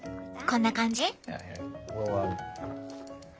こんな感じ？